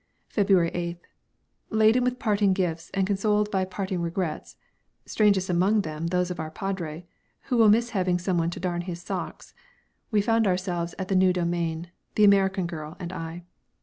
February 8th. Laden with parting gifts and consoled by parting regrets (strangest among them those of our padre, who will miss having someone to darn his socks!), we found ourselves at our new domain the American girl and I.